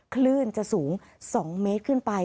คลื่นจะสูง๒เมตรขึ้นไป